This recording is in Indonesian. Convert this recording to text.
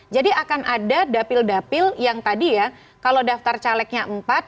jadi akan ada dapil dapil yang tadi ya kalau daftar calegnya empat tujuh delapan sebelas